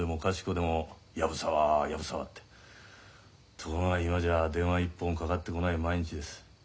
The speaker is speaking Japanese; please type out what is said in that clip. ところが今じゃ電話一本かかってこない毎日です。